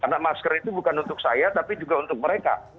karena masker itu bukan untuk saya tapi juga untuk mereka